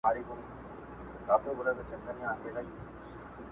مرغۍ الوتې وه، خالي قفس ته ودرېدم .